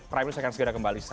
prime news akan segera kembali